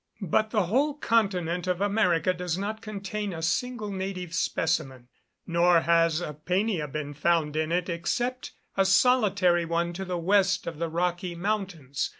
But the whole continent of America does not contain a single native specimen; nor has a Poenia been found in it, except a solitary one to the west of the Rocky Mountains.